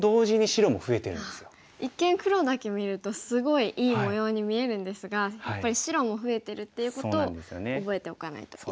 一見黒だけ見るとすごいいい模様に見えるんですがやっぱり白も増えてるっていうことを覚えておかないといけないですね。